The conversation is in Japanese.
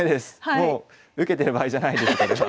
もう受けてる場合じゃないですこれは。